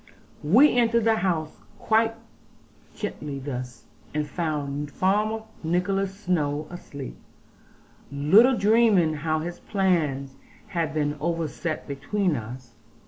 We entered the house quite gently thus, and found Farmer Nicholas Snowe asleep, little dreaming how his plans had been overset between us.